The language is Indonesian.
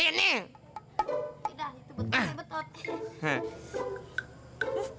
yaudah itu betul betul betul